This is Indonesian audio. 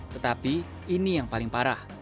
tetapi ini yang paling parah